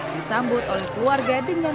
disambut oleh keluarga dengan